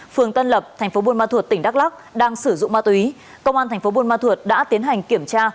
phường tân lập tp buôn ma thuột tỉnh đắk lắc đang sử dụng ma túy công an tp buôn ma thuột đã tiến hành kiểm tra